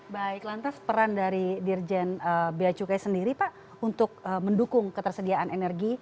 baik lantas peran dari dirjen biacukai sendiri pak untuk mendukung ketersediaan energi